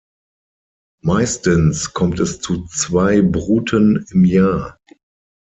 Meistens kommt es zu zwei Bruten im Jahr.